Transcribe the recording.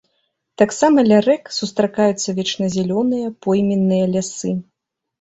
Таксама ля рэк сустракаюцца вечназялёныя пойменныя лясы.